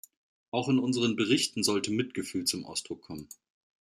Auch in unseren Berichten sollte Mitgefühl zum Ausdruck kommen.